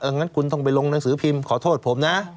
งั้นคุณต้องไปลงหนังสือพิมพ์ขอโทษผมนะ